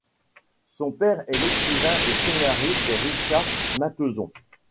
Son père est l'écrivain et scénariste Richard Matheson.